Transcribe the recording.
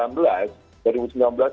kalau dibanding dengan dua ribu sembilan belas